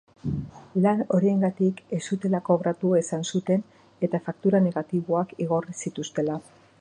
Lan horiengatik ez zutela kobratu esan zuten, eta faktura negatiboak igorri zituztela.